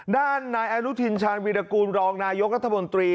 ด้านนายอนุทินชาญวีรกูลรองนายกรัฐมนตรี